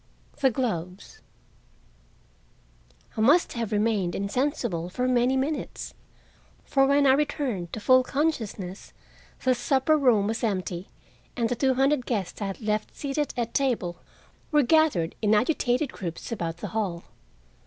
THE GLOVES I must have remained insensible for many minutes, for when I returned to full consciousness the supper room was empty and the two hundred guests I had left seated at table were gathered in agitated groups about the hall.